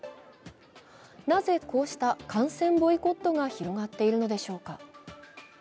なぜ、こうした観戦ボイコットが広がっているのでしょうか。